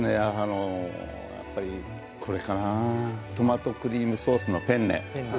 やっぱりこれかなトマトクリームソースのペンネ。